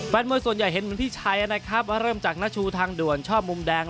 แฟนมวยส่วนใหญ่เห็นเป็นพี่ชายนะครับเริ่มจากนชูทางด่วนชอบมุมแดง